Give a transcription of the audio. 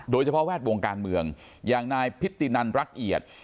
แวดวงการเมืองอย่างนายพิตินันรักเอียด